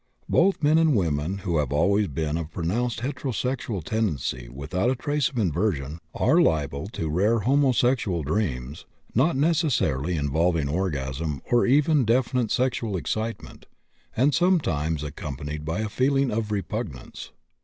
Both men and women who have always been of pronounced heterosexual tendency, without a trace of inversion, are liable to rare homosexual dreams, not necessarily involving orgasm or even definite sexual excitement, and sometimes accompanied by a feeling of repugnance.